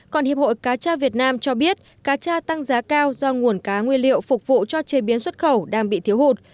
còn hiệp hội cá tra việt nam cho biết cá cha tăng giá cao do nguồn cá nguyên liệu phục vụ cho chế biến xuất khẩu đang bị thiếu hụt